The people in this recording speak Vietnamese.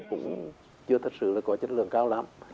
cũng chưa thật sự là có chất lượng cao lắm